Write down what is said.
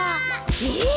えっ！？